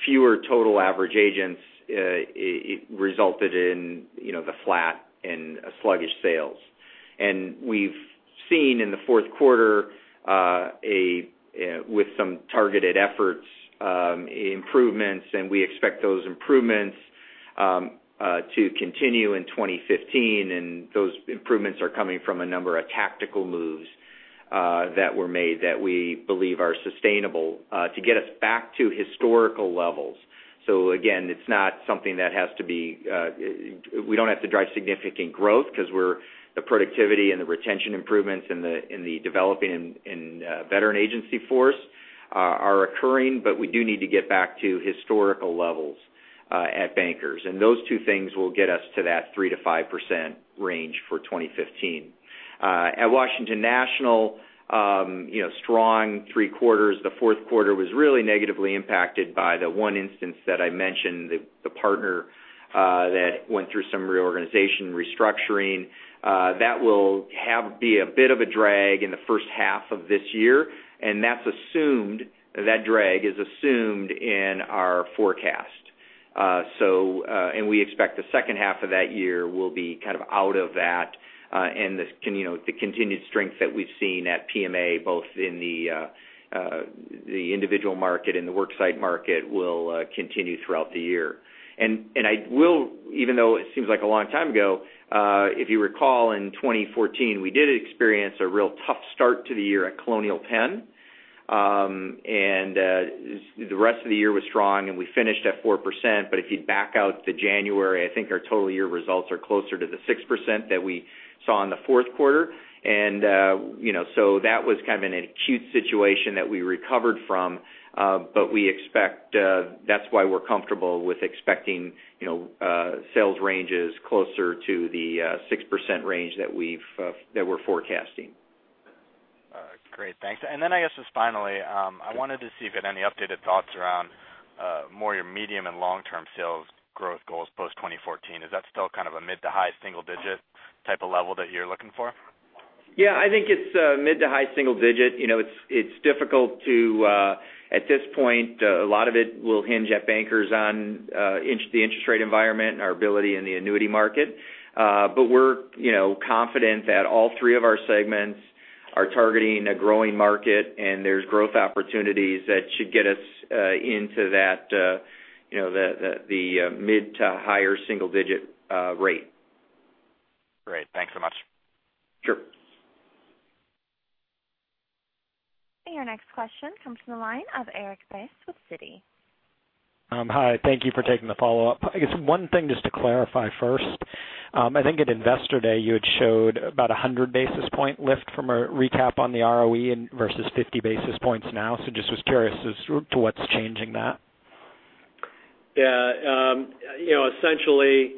fewer total average agents, it resulted in the flat and sluggish sales. We've seen in the fourth quarter, with some targeted efforts, improvements, and we expect those improvements to continue in 2015. Those improvements are coming from a number of tactical moves that were made that we believe are sustainable to get us back to historical levels. Again, we don't have to drive significant growth because the productivity and the retention improvements in the developing and veteran agency force are occurring. We do need to get back to historical levels at Bankers. Those two things will get us to that 3%-5% range for 2015. At Washington National, strong three quarters. The fourth quarter was really negatively impacted by the one instance that I mentioned, the partner that went through some reorganization restructuring. That will be a bit of a drag in the first half of this year. That drag is assumed in our forecast. We expect the second half of that year will be kind of out of that. The continued strength that we've seen at PMA, both in the individual market and the worksite market will continue throughout the year. I will, even though it seems like a long time ago, if you recall, in 2014, we did experience a real tough start to the year at Colonial Penn. The rest of the year was strong, and we finished at 4%. If you back out to January, I think our total year results are closer to the 6% that we saw in the fourth quarter. That was kind of an acute situation that we recovered from. That's why we're comfortable with expecting sales ranges closer to the 6% range that we're forecasting. Great. Thanks. I guess, just finally, I wanted to see if you had any updated thoughts around more your medium and long-term sales growth goals post-2014. Is that still kind of a mid to high single digit type of level that you're looking for? I think it's mid to high single digit. At this point, a lot of it will hinge at Bankers on the interest rate environment and our ability in the annuity market. We're confident that all three of our segments are targeting a growing market, and there's growth opportunities that should get us into the mid to higher single digit rate. Great. Thanks so much. Sure. Your next question comes from the line of Erik Bass with Citi. Hi. Thank you for taking the follow-up. I guess one thing just to clarify first, I think at Investor Day, you had showed about 100 basis point lift from a recap on the ROE versus 50 basis points now. Just was curious as to what's changing that. Yeah. Essentially,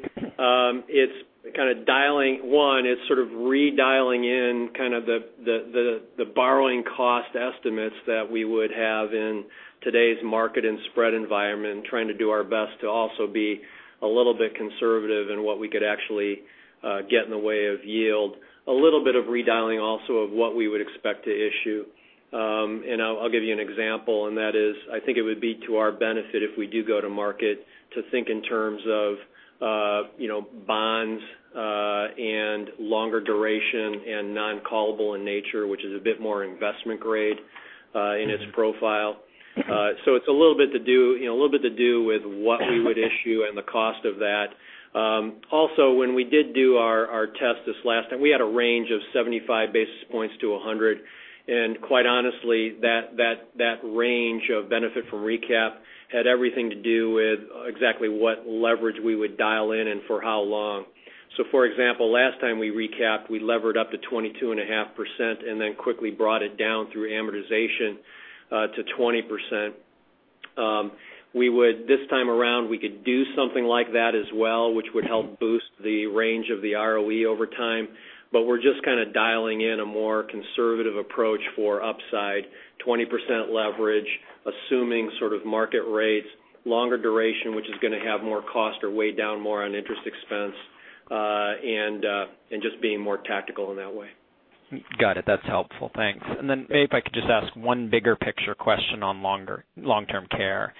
one, it's sort of redialing in kind of the borrowing cost estimates that we would have in today's market and spread environment and trying to do our best to also be a little bit conservative in what we could actually get in the way of yield. A little bit of redialing also of what we would expect to issue. I'll give you an example, and that is, I think it would be to our benefit if we do go to market to think in terms of bonds and longer duration and non-callable in nature, which is a bit more investment grade in its profile. It's a little bit to do with what we would issue and the cost of that. Also, when we did do our test this last time, we had a range of 75 basis points to 100 basis points. Quite honestly, that range of benefit for recap had everything to do with exactly what leverage we would dial in and for how long. For example, last time we recapped, we levered up to 22.5% and then quickly brought it down through amortization to 20%. This time around, we could do something like that as well, which would help boost the range of the ROE over time. We're just kind of dialing in a more conservative approach for upside 20% leverage, assuming sort of market rates, longer duration, which is going to have more cost or weigh down more on interest expense, and just being more tactical in that way. Got it. That's helpful. Thanks. Then maybe if I could just ask one bigger picture question on long-term care. I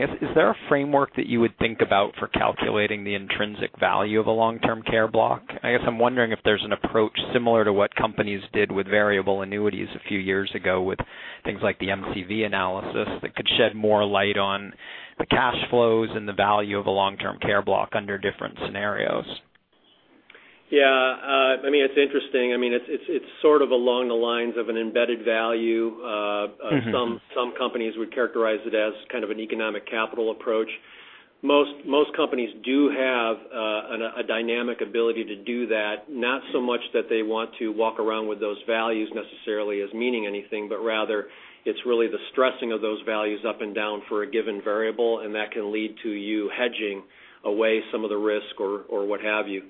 guess, is there a framework that you would think about for calculating the intrinsic value of a long-term care block? I guess I'm wondering if there's an approach similar to what companies did with variable annuities a few years ago with things like the MCV analysis that could shed more light on the cash flows and the value of a long-term care block under different scenarios. Yeah. It's interesting. It's sort of along the lines of an embedded value. Some companies would characterize it as kind of an economic capital approach. Most companies do have a dynamic ability to do that, not so much that they want to walk around with those values necessarily as meaning anything, but rather, it's really the stressing of those values up and down for a given variable, and that can lead to you hedging away some of the risk or what have you.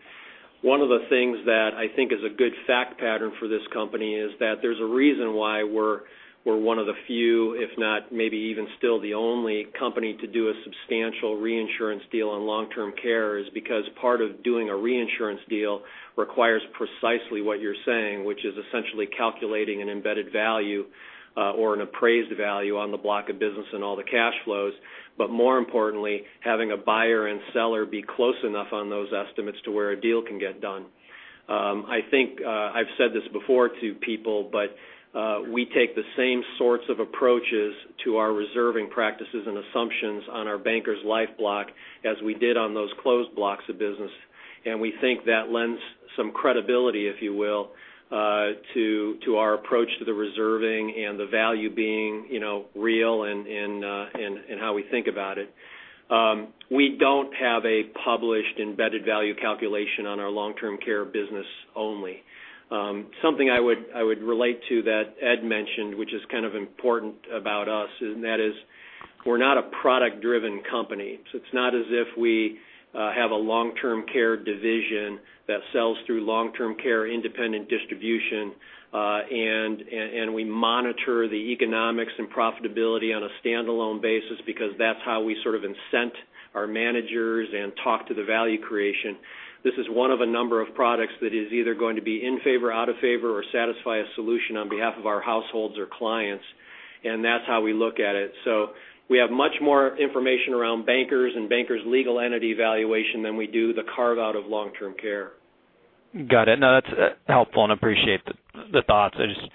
One of the things that I think is a good fact pattern for this company is that there's a reason why we're one of the few, if not maybe even still the only company to do a substantial reinsurance deal on long-term care, is because part of doing a reinsurance deal requires precisely what you're saying, which is essentially calculating an embedded value or an appraised value on the block of business and all the cash flows. More importantly, having a buyer and seller be close enough on those estimates to where a deal can get done. I think I've said this before to people, but we take the same sorts of approaches to our reserving practices and assumptions on our Bankers Life block as we did on those closed blocks of business, and we think that lends some credibility, if you will, to our approach to the reserving and the value being real in how we think about it. We don't have a published embedded value calculation on our long-term care business only. Something I would relate to that Ed mentioned, which is kind of important about us, and that is we're not a product-driven company. It's not as if we have a long-term care division that sells through long-term care independent distribution, and we monitor the economics and profitability on a standalone basis because that's how we sort of incent our managers and talk to the value creation. This is one of a number of products that is either going to be in favor, out of favor, or satisfy a solution on behalf of our households or clients, and that's how we look at it. We have much more information around Bankers and Bankers' legal entity valuation than we do the carve-out of long-term care. Got it. No, that's helpful, and appreciate the thoughts. I just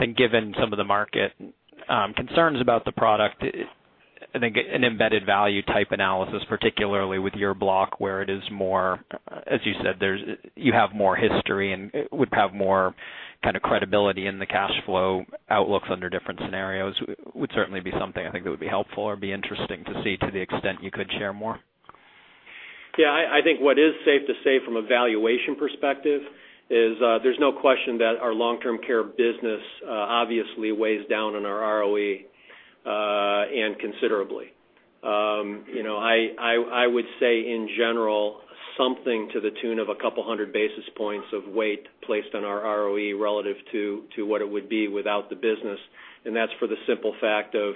think given some of the market concerns about the product, I think an embedded value type analysis, particularly with your block, where it is more, as you said, you have more history and would have more kind of credibility in the cash flow outlooks under different scenarios, would certainly be something I think that would be helpful or be interesting to see to the extent you could share more. I think what is safe to say from a valuation perspective is there's no question that our long-term care business obviously weighs down on our ROE, and considerably. I would say, in general, something to the tune of 200 basis points of weight placed on our ROE relative to what it would be without the business, and that's for the simple fact of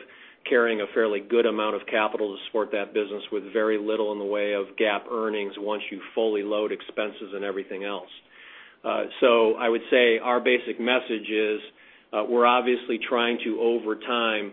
carrying a fairly good amount of capital to support that business with very little in the way of GAAP earnings once you fully load expenses and everything else. I would say our basic message is we're obviously trying to, over time,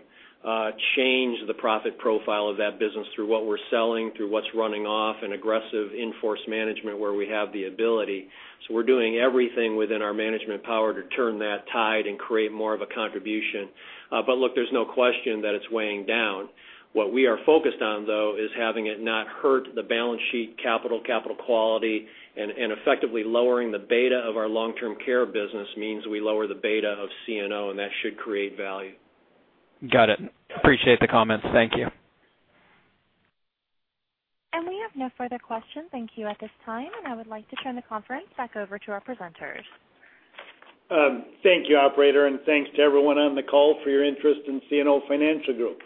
change the profit profile of that business through what we're selling, through what's running off, and aggressive in-force management where we have the ability. We're doing everything within our management power to turn that tide and create more of a contribution. Look, there's no question that it's weighing down. What we are focused on, though, is having it not hurt the balance sheet capital quality, and effectively lowering the beta of our long-term care business means we lower the beta of CNO, and that should create value. Got it. Appreciate the comments. Thank you. We have no further questions. Thank you at this time, and I would like to turn the conference back over to our presenters. Thank you, operator, and thanks to everyone on the call for your interest in CNO Financial Group.